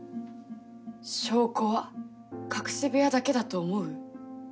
証拠は隠し部屋だけだと思う？